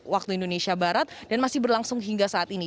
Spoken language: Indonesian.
waktu indonesia barat dan masih berlangsung hingga saat ini